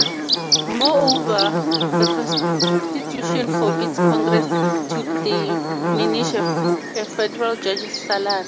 Moreover, the Constitution forbids Congress to diminish a federal judge's salary.